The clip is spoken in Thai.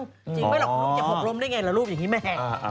จริงไม่หรอกจะหกลมได้อย่างไรเรารูปอย่างนี้แม่